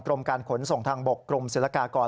กรมการขนส่งทางบกกรมศิลกากร